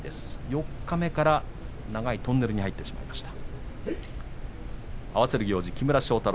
四日目から長いトンネルに入ってしまいました。